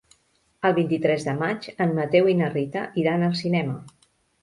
El vint-i-tres de maig en Mateu i na Rita iran al cinema.